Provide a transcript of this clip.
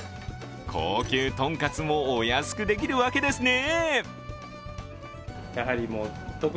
高級とんかつもお安くできるわけですね。